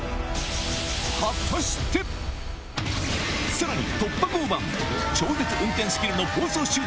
さらに